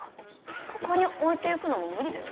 ここに置いていくのも無理だよ。